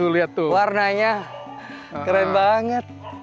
wih warnanya keren banget